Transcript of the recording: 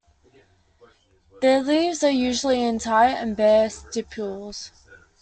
Their leaves are usually entire and bear stipules.